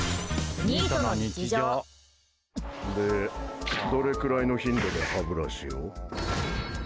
で、どれくらいの頻度で歯ブラシを？